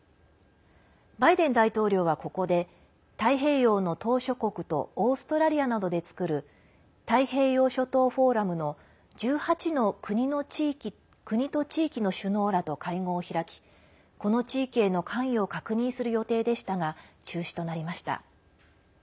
バイデン大統領は、ここで太平洋の島しょ国とオーストラリアなどで作る太平洋諸島フォーラムの１８の国と地域の首脳らと会合を開きこの地域への関与を確認する予定でしたが中止となりました。